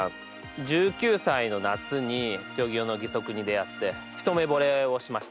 １９歳の夏に競技用の義足に出会ってひとめぼれをしました。